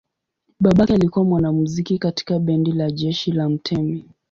Babake alikuwa mwanamuziki katika bendi la jeshi la mtemi.